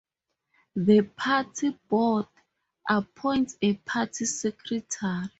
The party board appoints a party secretary.